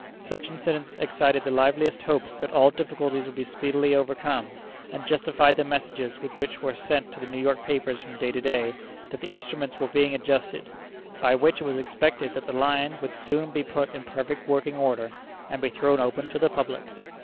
Such incidents excited the liveliest hopes that all difficulties would be speedily overcome, and justified the messages which were sent to the New York papers from day to day, that the instruments were being adjusted, by which it was expected that the line would soon be put in perfect working order, and be thrown open to the public.